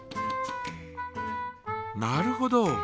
なるほど。